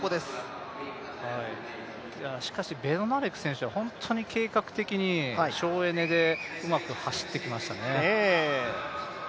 しかしベドナレク選手は計画的にうまく省エネで走ってきましたね。